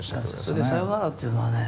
それで「さよなら」っていうのはね